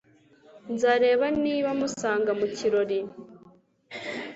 Nzareba niba musanga mu kirori.